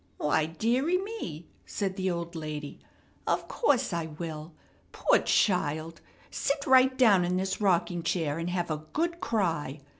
"Why, dearie me!" said the old lady. "Of course I will. Poor child; sit right down in this rocking chair, and have a good cry.